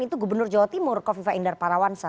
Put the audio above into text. itu gubernur jawa timur kofi faindar parawansa